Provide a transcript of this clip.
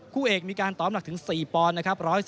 คู่เอกมีการตอมหนักถึง๔ปอนด์นะครับ